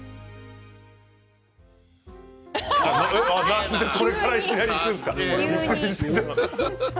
なんでこの写真からいきなりくるんですか。